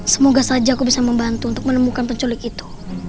semoga saja aku bisa membantu untuk menemukan penculik itu